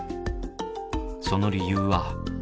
その理由は。